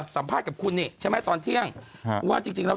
สัมภาษณ์กับคุณนี่ใช่ไหมตอนเที่ยงว่าจริงจริงแล้ว